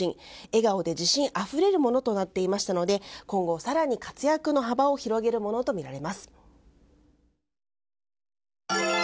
笑顔で自信あふれるものとなっていましたので今後、更に活躍の幅を広げるものとみられます。